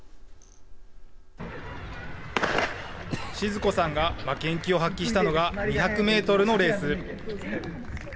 静子さんが負けん気を発揮したのが２００メートルのレース。